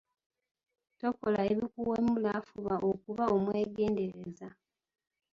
Tokola ebikuwemula fuba okuba omwegendereza.